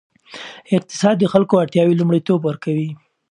اقتصاد د خلکو اړتیاوې لومړیتوب ورکوي.